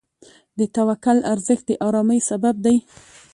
د توکل ارزښت د آرامۍ سبب دی.